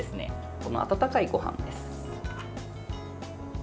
この温かいごはんです。